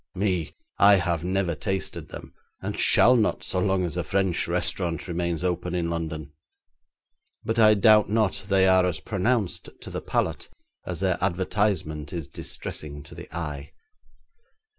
Me! I have never tasted them, and shall not so long as a French restaurant remains open in London. But I doubt not they are as pronounced to the palate as their advertisement is distressing to the eye.